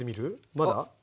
まだ？